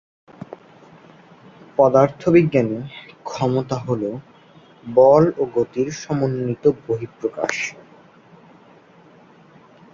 পদার্থবিজ্ঞানে ক্ষমতা হল বল ও গতির সমন্বিত বহিঃপ্রকাশ।